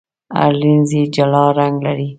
هر لینز یې جلا رنګ لري.